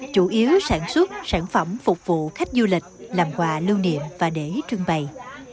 chủ yếu sản xuất sản phẩm phục vụ khách du lịch làm quà lưu niệm và để trưng bày